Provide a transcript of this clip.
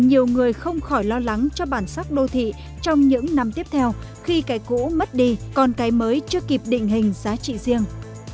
nhiều người không khỏi lo lắng cho bản sắc đô thị trong những năm tiếp theo khi cái cũ mất đi còn cái mới chưa kịp định hình giá trị riêng